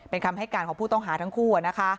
เป็นคำให้การของผู้ต้องหาทั้งคู่